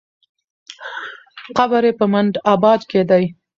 قبر یې په منډآباد کې دی.